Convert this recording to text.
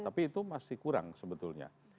tapi itu masih kurang sebetulnya